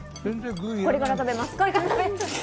これからかけます。